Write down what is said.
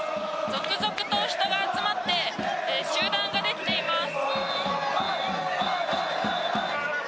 続々と人が集まって集団ができています。